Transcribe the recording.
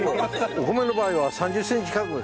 お米の場合は３０センチ間隔でしょ。